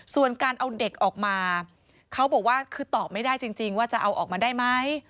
ส่วนการเอาเด็กออกมาเขาบอกว่าคือตอบไม่ได้จริงว่าจะเอาออกมาได้ไหม